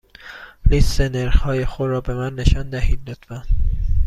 لیست نرخ های خود را به من نشان دهید، لطفا.